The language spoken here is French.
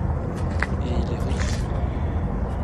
Et il est riche!